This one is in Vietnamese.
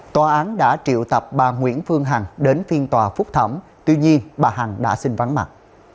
tòa án đã triệu tập bà nguyễn phương hằng đến phiên tòa phúc thẩm tuy nhiên bà hằng đã xin vắng mặt